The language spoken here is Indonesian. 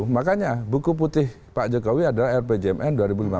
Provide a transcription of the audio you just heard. makanya buku putih pak jokowi adalah rpjmn dua ribu lima belas dua ribu sembilan belas